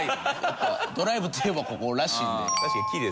ドライブといえばここらしいんで。